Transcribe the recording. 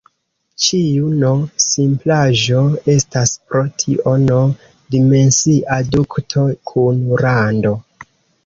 Ĉiu "n"-simplaĵo estas pro tio "n"-dimensia dukto kun rando.